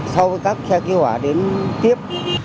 sau đó các xe cứu hỏa đến tiếp